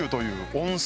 温泉？